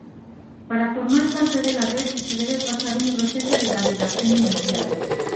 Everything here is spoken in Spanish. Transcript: Para formar parte de la red, se debe pasar un proceso de validación inicial.